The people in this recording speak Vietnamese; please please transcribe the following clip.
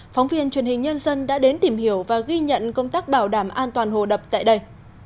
phóng viên truyền hình nhân dân đã đến tìm hiểu và ghi nhận công tác bảo đảm an toàn hồ đập tại đây